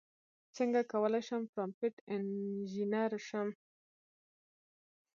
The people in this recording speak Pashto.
څنګه کولی شم پرامپټ انژینر شم